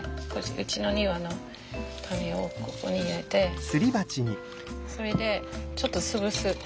うちの庭の種をここに入れてそれでちょっと潰す。